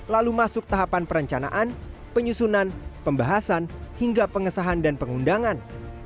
lalu masuk tahapan perencanaan penyusunan pembahasan hingga pengesahan dan pengundangan